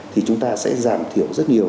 thì chúng ta sẽ giảm thiểu rất nhiều